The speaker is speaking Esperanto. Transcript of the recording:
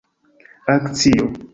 akcio